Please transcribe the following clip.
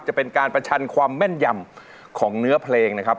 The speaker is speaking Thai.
จะเป็นการประชันความแม่นยำของเนื้อเพลงนะครับ